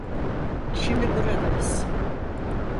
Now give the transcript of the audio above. Şimdi buradayız.